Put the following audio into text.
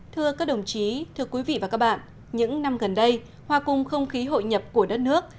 thưa các đồng chí thưa quý vị và các bạn những năm gần đây hòa cùng không khí hội nhập của đất nước